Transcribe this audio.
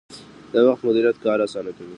د وخت مدیریت کار اسانه کوي